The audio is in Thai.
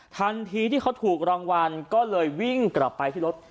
ทันทีที่เขาถูกรางวัลก็เลยวิ่งกลับไปที่รถ